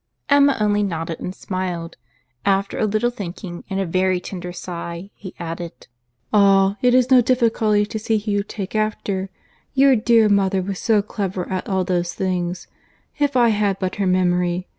Emma only nodded, and smiled.—After a little thinking, and a very tender sigh, he added, "Ah! it is no difficulty to see who you take after! Your dear mother was so clever at all those things! If I had but her memory!